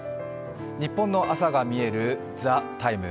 ニッポンの朝がみえる「ＴＨＥＴＩＭＥ，」